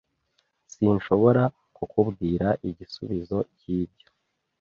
Sinshobora kukubwira igisubizo cyibyo.